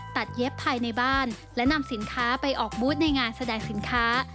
เย็บภายในบ้านและนำสินค้าไปออกบูธในงานแสดงสินค้า